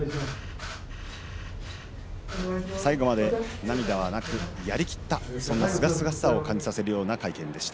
最後まで涙はなくやりきったそんなすがすがしさを感じさせるような会見でした。